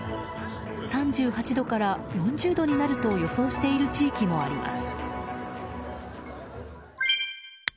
３８度から４０度になると予想している地域もあります。